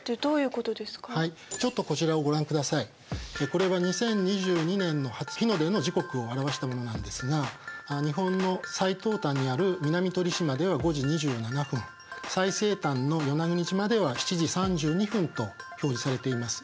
これは２０２２年の初日の出の時刻を表したものなんですが日本の最東端にある南鳥島では５時２７分最西端の与那国島では７時３２分と表示されています。